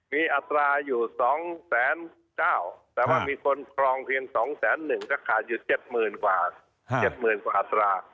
มีอัตราอยู่๒๙๐๐แต่ว่ามีคนครองเพียง๒๑๐๐บาทก็ขาดอยู่๗๐๐กว่าอัตรา